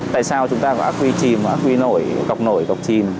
tại sao chúng ta có ác quy chìm ác quy cọc nổi cọc chìm